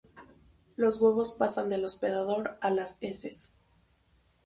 Los huevos pasan del hospedador a las heces.